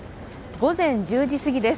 午前１０時過ぎです。